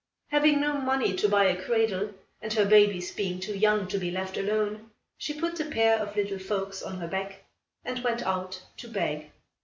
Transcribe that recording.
Having no money to buy a cradle, and her babies being too young to be left alone, she put the pair of little folks on her back and went out to beg.